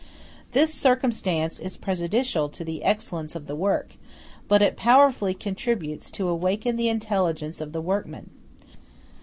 This circumstance is prejudicial to the excellence of the work; but it powerfully contributes to awaken the intelligence of the workman.